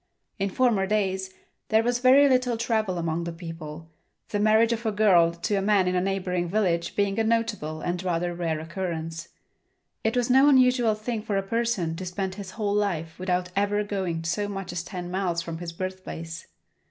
In former days there was very little travel among the people, the marriage of a girl to a man in a neighboring village being a notable and rather rare occurrence. It was no unusual thing for a person to spend his whole life without ever going so much as ten miles from his birthplace.